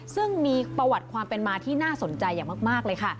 ซึ่งมีประวัติความเป็นมาที่น่าสนใจอย่างมากเลยค่ะ